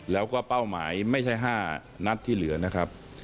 แล้วก็เป้าหมายไม่ใช่๕นัดที่เหลือนะครับ